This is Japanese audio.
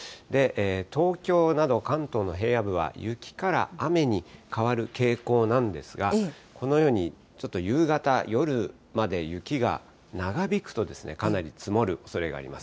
東京など、関東の平野部などは雪から雨に変わる傾向なんですが、このようにちょっと夕方、夜まで雪が長引くと、かなり積もるおそれがあります。